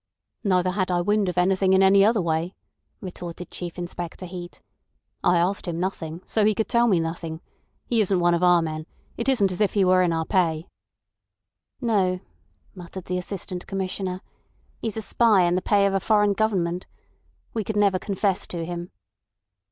"Neither had I wind of anything in any other way," retorted Chief Inspector Heat. "I asked him nothing, so he could tell me nothing. He isn't one of our men. It isn't as if he were in our pay." "No," muttered the Assistant Commissioner. "He's a spy in the pay of a foreign government. We could never confess to him."